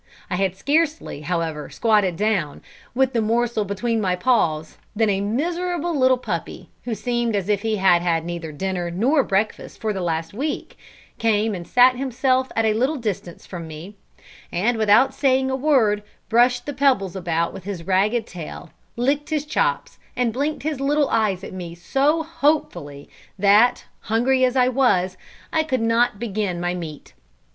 I had scarcely, however, squatted down, with the morsel between my paws, than a miserable little puppy, who seemed as if he had had neither dinner nor breakfast for the last week, came and sat himself at a little distance from me, and without saying a word, brushed the pebbles about with his ragged tail, licked his chops, and blinked his little eyes at me so hopefully, that, hungry as I was, I could not begin my meat.